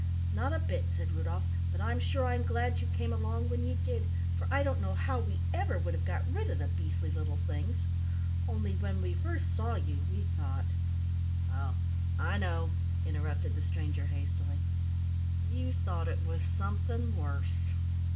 "Not a bit," said Rudolf, "but I'm sure I'm glad you came along when you did, for I don't know how we ever would have got rid of the beastly little things. Only when we first saw you, we thought " "Oh, I know," interrupted the stranger hastily "you thought it was something worse.